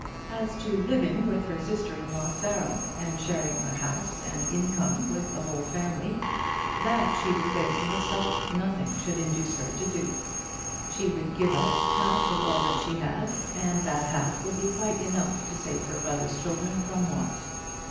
As to living with her sister in law Sarah, and sharing her house and income with the whole family, that she declared to herself nothing should induce her to do. She would give up half of all that she had, and that half would be quite enough to save her brother's children from want.